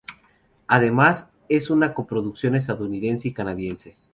Además es una coproducción estadounidense y canadiense.